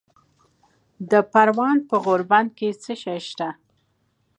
د پروان په غوربند کې څه شی شته؟